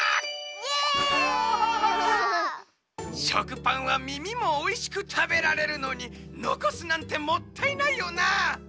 しょくぱんはみみもおいしくたべられるのにのこすなんてもったいないよな。